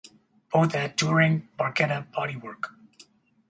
Both had Touring barchetta bodywork.